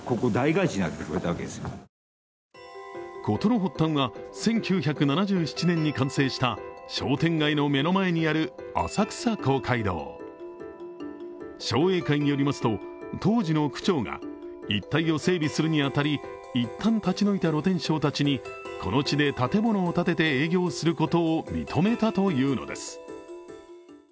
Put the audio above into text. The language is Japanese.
事の発端は１９７７年に完成した商店街の目の前にある浅草公会堂。商栄会によりますと、当時の区長が一帯を整備するに当たりいったん立ち退いた露天商たちにこの地で建物を建てて営業することを認めたというのです。